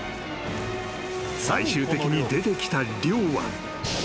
［最終的に出てきた量は］